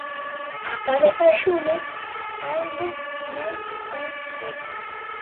Apal eta xume azaldu nahi izan zuen.